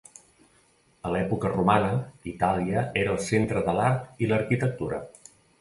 A l'època romana, Itàlia era el centre de l'art i l'arquitectura.